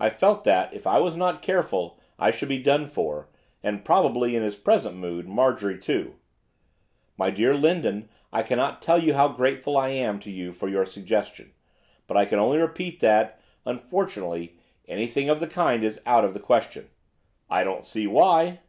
I felt that, if I was not careful, I should be done for, and, probably, in his present mood, Marjorie too. 'My dear Lindon, I cannot tell you how grateful I am to you for your suggestion, but I can only repeat that unfortunately, anything of the kind is out of the question.' 'I don't see why.